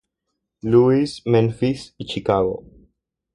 Louis, Memphis y Chicago.